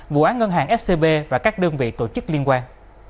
vụ án ngân hàng scb và các đơn vị tổ chức liên quan